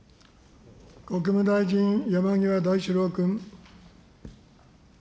国務大臣、山際大志郎君。